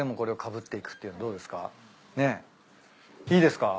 いいですか？